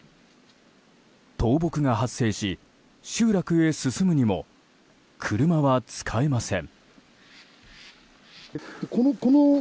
倒木が発生し集落へ進むにも車は使えません。